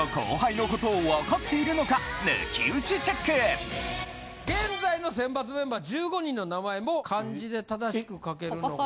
ここで現在の選抜メンバー１５人の名前も漢字で正しく書けるのか。